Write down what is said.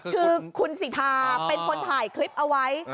คือคุณสิทธาเป็นคนถ่ายคลิปเอาไว้